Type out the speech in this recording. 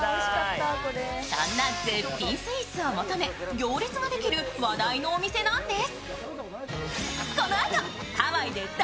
そんな絶品スイーツを求め、行列ができる話題のお店なんです。